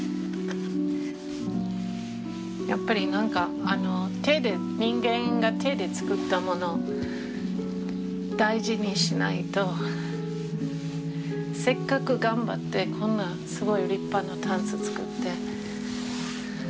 やっぱり人間が手で作った物大事にしないとせっかく頑張ってこんなすごい立派なたんす作って。